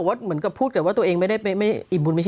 คือแองจิเหมือนกับเราเป็นคนสร้างคอนเทนต์แต่คอนเทนต์ของเขาคืออะไร